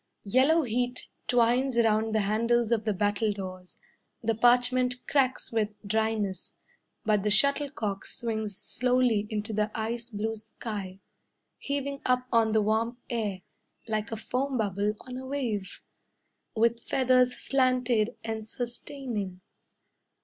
Yellow heat twines round the handles of the battledores, The parchment cracks with dryness; But the shuttlecock Swings slowly into the ice blue sky, Heaving up on the warm air Like a foam bubble on a wave, With feathers slanted and sustaining.